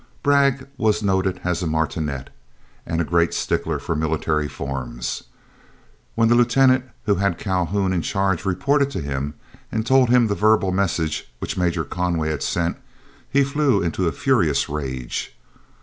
Bragg was noted as a martinet and a great stickler for military forms. When the lieutenant who had Calhoun in charge reported to him, and told him the verbal message which Major Conway had sent, he flew into a furious rage.